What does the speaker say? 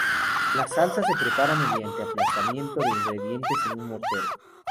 La salsa se prepara mediante aplastamiento de los ingredientes en un mortero.